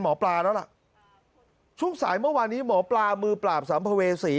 หมอปลาแล้วล่ะช่วงสายเมื่อวานนี้หมอปลามือปราบสัมภเวษี